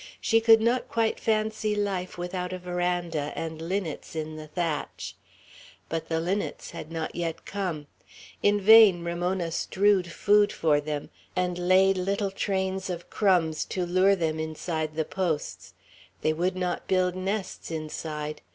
She could not quite fancy life without a veranda, and linnets in the thatch. But the linnets had not yet come. In vain Ramona strewed food for them, and laid little trains of crumbs to lure them inside the posts; they would not build nests inside.